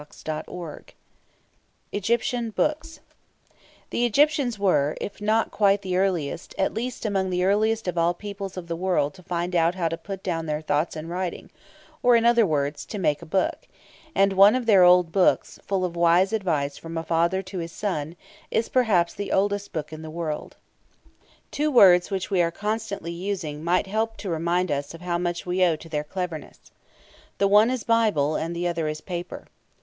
CHAPTER XI EGYPTIAN BOOKS The Egyptians were, if not quite the earliest, at least among the earliest of all the peoples of the world to find out how to put down their thoughts in writing, or in other words, to make a book; and one of their old books, full of wise advice from a father to his son, is, perhaps, the oldest book in the world. Two words which we are constantly using might help to remind us of how much we owe to their cleverness. The one is "Bible," and the other is "paper."